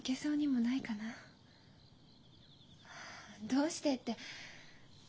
「どうして」って。